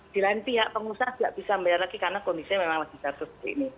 di lain pihak pengusaha tidak bisa membayar lagi karena kondisinya memang lagi jatuh seperti ini